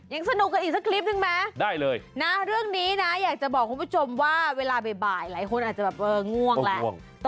ยังสนุกกันอีกสักคลิปนึงไหมเรื่องนี้นะอยากจะบอกคุณผู้ชมว่าเวลาบ่ายหลายคนอาจจะง่วงแล้ว